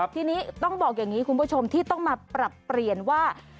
ทีนี้ต้องบอกอย่างนี้คุณผู้ชมที่ต้องมาปรับเปลี่ยนว่า